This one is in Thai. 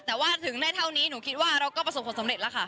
แต่ว่าถึงได้เท่านี้หนูคิดว่าเราก็ประสบความสำเร็จแล้วค่ะ